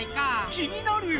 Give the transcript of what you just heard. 気になるよ！